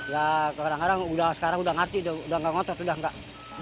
ya kadang kadang sekarang udah ngerti udah nggak ngotot udah nggak